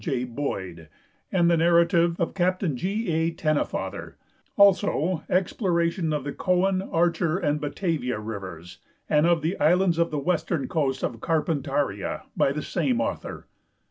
J. Boyd, and the narrative of Capt. G. A. Tennefather; also Kxplora tion of the Coen, Archer, and Batavia Rivers and of the islands of the western coast of Karpantaria, by the same author.